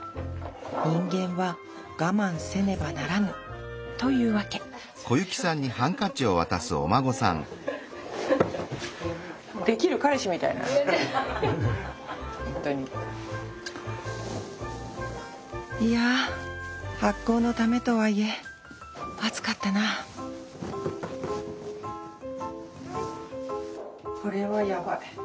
人間は我慢せねばならぬというわけいや発酵のためとはいえ暑かったなこれはやばい。